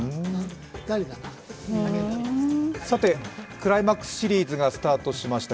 クライマックスシリーズがスタートしました。